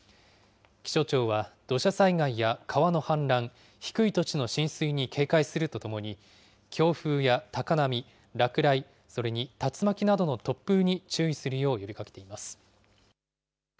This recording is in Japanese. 気象庁は、土砂災害や川の氾濫、低い土地の浸水に警戒するとともに、強風や高波、落雷、それに竜巻などの突風に注意するよう呼びかけています。